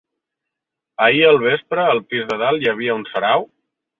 Ahir al vespre al pis de dalt hi havia un sarau!